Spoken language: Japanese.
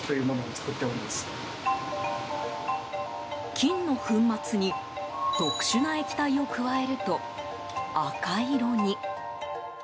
金の粉末に特殊な液体を加えると、赤色に。